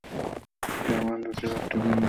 বিমানবন্দরটি চারটি ভিন্ন পৌরসভায় অবস্থিত।